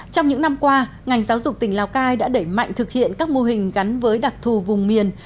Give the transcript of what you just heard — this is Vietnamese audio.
trong những năm qua ngành giáo dục tỉnh lào cai đã đẩy mạnh thực hiện các mô hình gắn với đặc thù vùng miền